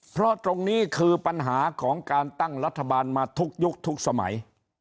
เพราะตรงนี้คือปัญหาของการตั้งรัฐบาลมาทุกยุคทุกสมัย